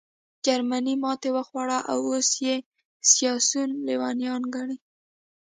جرمني ماتې وخوړه او اوس یې سیاسیون لېونیان ګڼې